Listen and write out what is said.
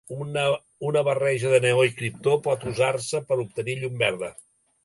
Una barreja de neó i criptó pot usar-se per obtenir llum verda.